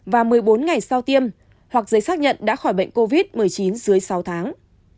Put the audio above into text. và một mươi bốn ngày sau tiêm hoặc giấy xác nhận đã khỏi bệnh covid một mươi chín dưới sáu tháng